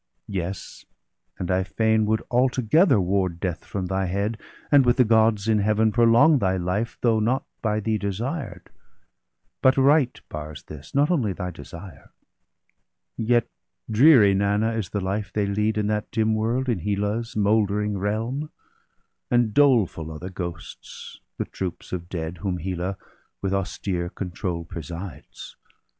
Yes, and I fain would altogether ward Death from thy head, and with the Gods in Heaven Prolong thy life, though not by thee desired — But right bars this, not only thy desire. Yet dreary, Nanna, is the life they lead In that dim world, in Hela's mouldering realm; And doleful are the ghosts, the troops of dead, Whom Hela with austere control presides.